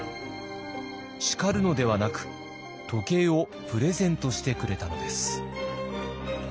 叱るのではなく時計をプレゼントしてくれたのです。